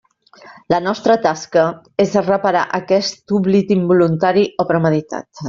La nostra tasca és reparar aquest oblit involuntari o premeditat.